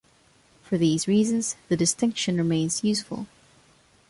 For these reasons, the distinction remains useful.